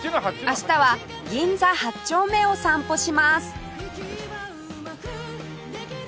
明日は銀座８丁目を散歩します